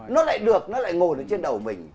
nó lại được nó lại ngồi trên đầu mình